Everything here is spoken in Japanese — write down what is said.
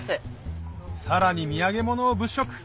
さらに土産物を物色